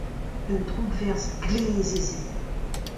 Un droukverzh glez eo se.